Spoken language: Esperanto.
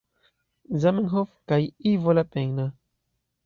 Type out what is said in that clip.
Zamenhof kaj Ivo Lapenna.